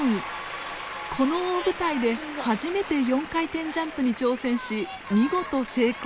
この大舞台で初めて４回転ジャンプに挑戦し見事成功。